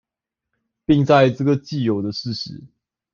並在這個既有的事實